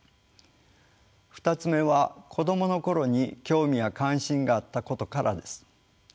２つ目は子どもの頃に興味や関心があったことからです。